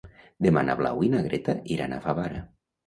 Demà na Blau i na Greta iran a Favara.